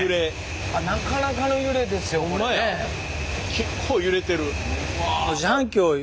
結構揺れてる。